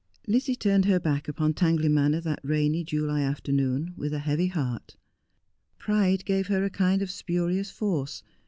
Lizzie turned her back upon Tangley Manor that rainy July afternoon with a heavy heart. Pride gave her a kind of spurious force.